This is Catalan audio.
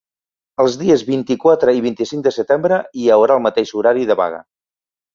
Els dies vint-i-quatre i vint-i-cinc de setembre hi haurà el mateix horari de vaga.